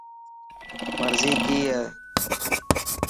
مرضي ڪئي هي؟